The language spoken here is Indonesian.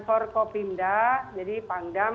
forkopimda jadi pangdam